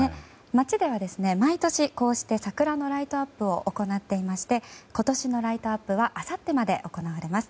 街では毎年こうして桜のライトアップを行っていまして今年のライトアップはあさってまで行われます。